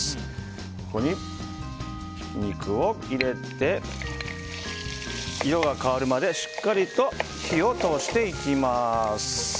ここに肉を入れて色が変わるまでしっかりと火を通していきます。